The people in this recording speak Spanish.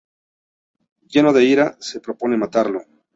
Lleno de ira, se propone matarlo.